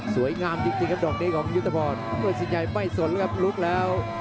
สวยงามจริงจริงครับดอกนี้ของยุทธพรวัสดิ์ชัยไม่สนครับลุกแล้ว